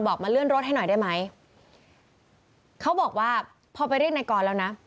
มาเลื่อนรถให้หน่อยได้ไหมเขาบอกว่าพอไปเรียกนายกรแล้วนะ